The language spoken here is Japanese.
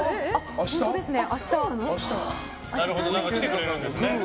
明日？来てくれるんですね。